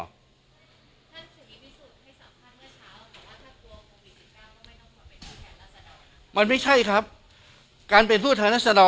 ท่านถึงอีฟิสุดให้สัมภาษณ์เมื่อเช้าขอรัฐศักดิ์ปวงโลควิทย์๑๙มันไม่ต้องก่อนไปแผนรัฐสดร